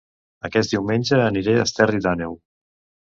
Aquest diumenge aniré a Esterri d'Àneu